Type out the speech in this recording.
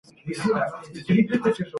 قانون د انساني کرامت ساتنه کوي.